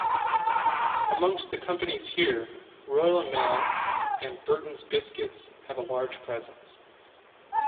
Amongst the companies here, Royal Mail and Burtons Biscuits have a large presence.